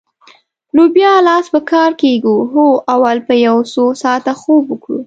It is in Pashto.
نو بیا لاس په کار کېږو؟ هو، اول به یو څو ساعته خوب وکړو.